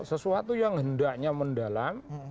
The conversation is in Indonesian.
sesuatu yang hendaknya mendalam